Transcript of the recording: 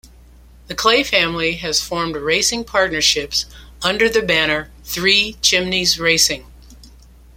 The Clay family has formed racing partnerships under the banner, Three Chimneys Racing.